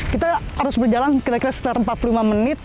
kita harus berjalan kira kira sekitar empat puluh lima menit